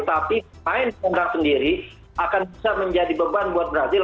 tapi pemain kontrak sendiri akan bisa menjadi beban buat brazil